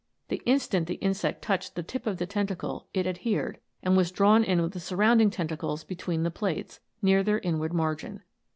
The instant the insect touched the tip of the tentacle it adhered, and was drawn in with the surrounding tentacles between the plates, near their inward margin.